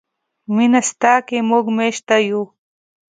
مینه ستا کې موږ میشته یو.